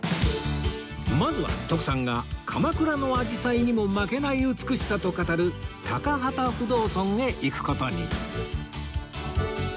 まずは徳さんが鎌倉の紫陽花にも負けない美しさと語る高幡不動尊へ行く事に